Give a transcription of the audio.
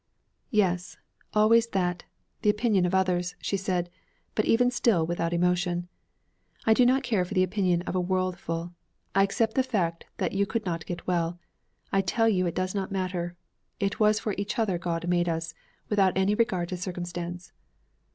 'Yes; always that. The opinion of others,' she said, but even still without emotion. 'I do not care for the opinion of a worldful. I accept the fact that you could not get well. I tell you it does not matter. It was for each other God made us; without any regard to circumstance.'